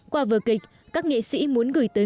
qua vừa kịch các nghệ sĩ muốn gửi tới